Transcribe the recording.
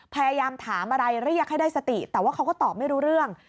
พยายามถามอะไรเรียกให้ได้สติแต่ว่าเขาก็ตอบไม่รู้เรื่อง